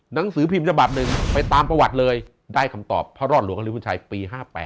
หนังสือพิมพ์ฉบับหนึ่งไปตามประวัติเลยได้คำตอบพระรอดหลวงฮริบุญชัยปี๕๘